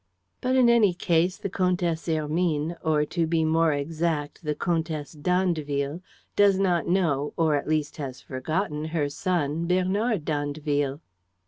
But, in any case, the Comtesse Hermine or, to be more exact, the Comtesse d'Andeville does not know or at least has forgotten her son, Bernard d'Andeville."